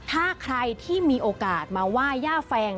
ถ้าใครที่มีโอกาสมาไหว้ย่าแฟง